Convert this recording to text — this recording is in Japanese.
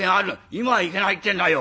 今はいけないってんだよ。